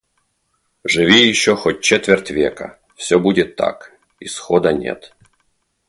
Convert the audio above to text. Живи ещё хоть четверть века — Всё будет так. Исхода нет.